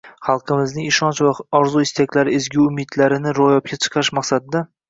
xalqimizning ishonchi va orzu-niyatlari, ezgu umidlarini ro‘yobga chiqarish maqsadida: